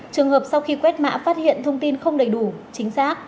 trường hợp sau khi quét mã phát hiện thông tin không đầy đủ chính xác